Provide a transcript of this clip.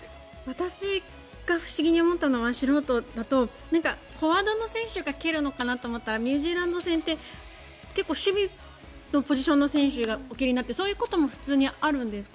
私が不思議に思ったのは素人だとフォワードの選手が蹴るのかなと思ったらニュージーランド戦って結構、守備のポジションの選手がお蹴りになってそういうことも普通にあるんですか？